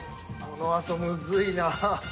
このあとむずいなぁ。